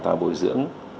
và bồi dưỡng